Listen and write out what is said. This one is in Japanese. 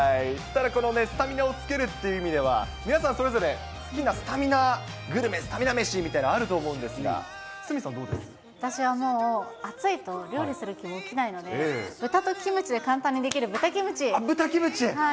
ただ、このね、スタミナをつけるという意味では皆さんそれぞれ、好きなスタミナグルメ、スタミナ飯みたいなの、あると思私は暑いと、料理する気も起きないので、豚とキムチで簡単にできる豚キム豚キムチ。